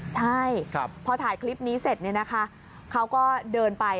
ใช่พอถ่ายคลิปนี้เสร็จเขาก็เดินไป